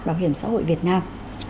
bảo hiểm xã hội việt nam